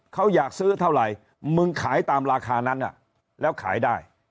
เขาอยากซื้อเท่าไหร่มึงขายตามราคานั้นแล้วขายได้